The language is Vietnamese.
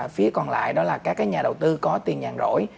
phía còn lại đó là các nhà đầu tư có tiền nhàn rỗi